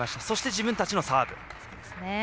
そして、自分たちのサーブ。